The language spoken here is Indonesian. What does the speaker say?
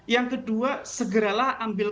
yang kedua segeralah ambil